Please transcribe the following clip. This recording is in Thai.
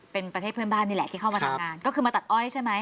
เป็นประเทศเพื่อนบ้านนี่แหละที่เข้ามาทำงานก็คือมาตัดอ้อยใช่ไหม